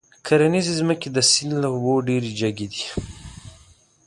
کرنيزې ځمکې د سيند له اوبو ډېرې جګې دي.